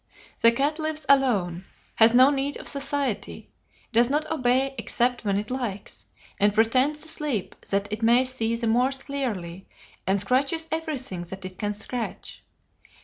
The cat lives alone, has no need of society, does not obey except when it likes, and pretends to sleep that it may see the more clearly, and scratches everything that it can scratch.